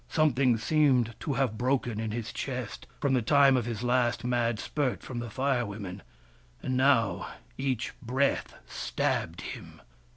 Something seemed to have broken in his chest, from the time of his last mad spurt from the Fire Women, and now each breath stabbed him.